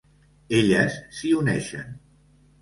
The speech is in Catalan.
Elles s'hi uneixen.